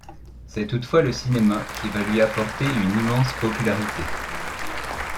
C'est toutefois le cinéma qui va lui apporter une immense popularité.